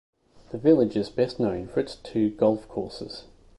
The village is best known for its two golf courses.